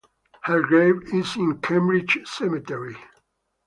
Her grave is in Cambridge Cemetery.